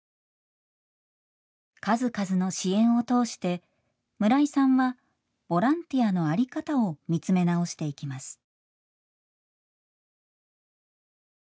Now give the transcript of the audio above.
数々の支援を通して村井さんはボランティアの在り方を見つめ直していきます。